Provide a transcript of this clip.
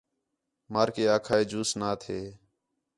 مارکے آکھا ہے جوس نا تھے